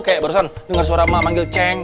kayak barusan dengar suara mah manggil ceng